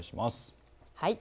はい。